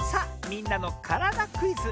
「みんなのからだクイズ」！